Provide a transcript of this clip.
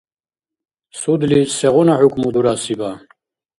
Судли сегъуна хӀукму дурасиба?